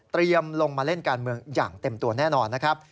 ลงมาเล่นการเมืองอย่างเต็มตัวแน่นอนนะครับ